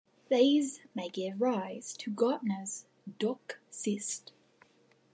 These may give rise to Gartner's duct cysts.